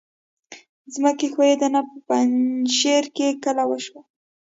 ځمکې ښویدنه په پنجشیر کې کله وشوه؟